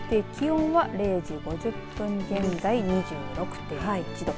そして気温は０時５０分現在２６．１度。